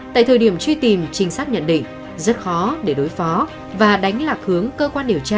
tại thời điểm truy tìm trinh sát nhận định rất khó để đối phó và đánh lạc hướng cơ quan điều tra